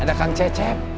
ada kang cecep